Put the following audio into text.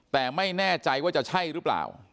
แต่ไม่แน่ใจว่าจะใช่หรือเปล่า